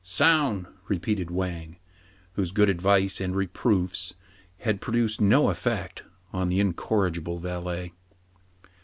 " Soun !'* repeated Wang, whose good advice and reproofs had produced no effect on the incor rigible valet.